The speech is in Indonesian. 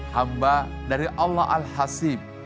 hamba dari allah al hasib